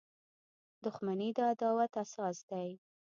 • دښمني د عداوت اساس دی.